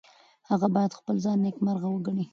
هغه باید خپل ځان نیکمرغه وګڼي.